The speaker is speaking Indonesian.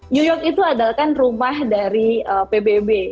new york itu adalah kan rumah dari pbb